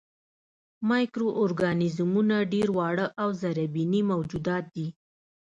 مایکرو ارګانیزمونه ډېر واړه او زرېبيني موجودات دي.